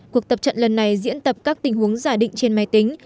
cuộc tập trận lần này diễn tập các tình huống giả định trên máy tính